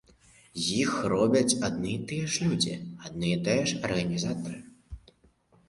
Іх робяць адны і тыя ж людзі, адны і тыя ж арганізатары.